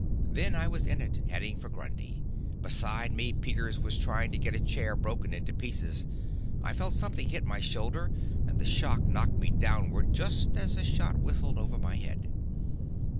Then I was in it, heading for Grundy. Beside me, Peters was trying to get a chair broken into pieces. I felt something hit my shoulder, and the shock knocked me downward, just as a shot whistled over my head.